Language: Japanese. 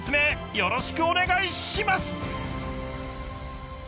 よろしくお願いします！